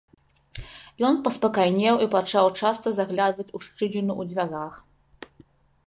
Ён паспакайнеў і пачаў часта заглядваць у шчыліну ў дзвярах.